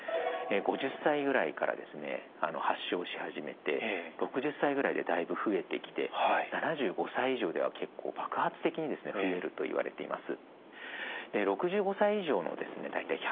５０歳ぐらいから発症し始めて６０歳ぐらいでだいぶ増えてきて７５歳以上では結構爆発的に増えるといわれています。